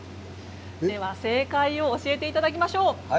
正解教えていただきましょう。